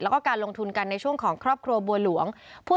แล้วก็การลงทุนกันในช่วงของครอบครัวบัวหลวง